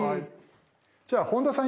じゃあ本田さん